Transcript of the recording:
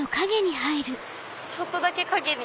ちょっとだけ陰に。